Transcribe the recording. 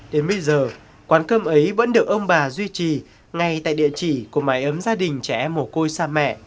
đến bây giờ quán cơm ấy vẫn được ông bà duy trì ngay tại địa chỉ của mái ấm gia đình trẻ mồ côi sa mẹ